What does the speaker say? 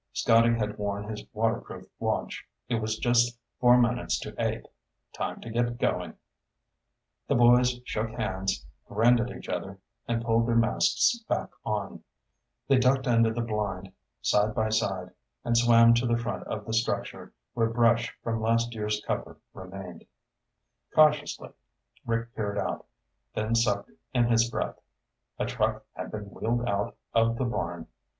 Scotty had worn his waterproof watch. It was just four minutes to eight. Time to get going. The boys shook hands, grinned at each other, and pulled their masks back on. They ducked under the blind, side by side, and swam to the front of the structure where brush from last year's cover remained. Cautiously Rick peered out, then sucked in his breath. A truck had been wheeled out of the barn.